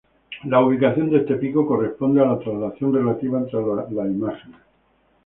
La ubicación de este pico corresponde a la traslación relativa entre las imágenes.